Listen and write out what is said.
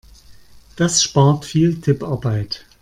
Das spart viel Tipparbeit.